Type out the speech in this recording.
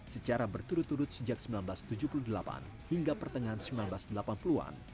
secara berturut turut sejak seribu sembilan ratus tujuh puluh delapan hingga pertengahan seribu sembilan ratus delapan puluh an